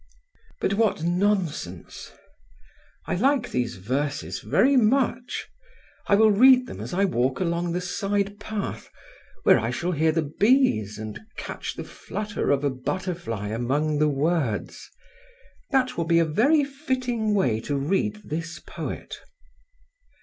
"But what nonsense! I like these verses very much. I will read them as I walk along the side path, where I shall hear the bees, and catch the flutter of a butterfly among the words. That will be a very fitting way to read this poet."